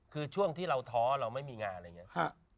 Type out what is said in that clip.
คือช่วงที่เราท้อเราไม่มีงานอะไรอย่างนี้